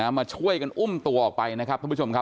มาช่วยกันอุ้มตัวออกไปนะครับท่านผู้ชมครับ